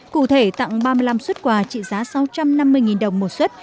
cụ thể tặng ba mươi năm xuất quà trị giá sáu trăm năm mươi đồng một xuất